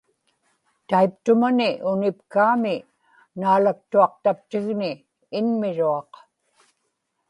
taiptumani unipkaami naalaktuaqtaptigni inmiruaq